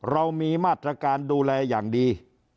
เรามีมาตรการดูแลอย่างดี